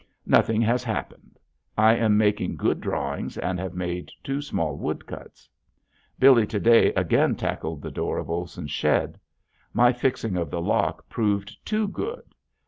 Nothing has happened. I am making good drawings and have made two small woodcuts. Billy to day again tackled the door of Olson's shed. My fixing of the lock proved too good.